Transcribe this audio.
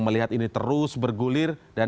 melihat ini terus bergulir dan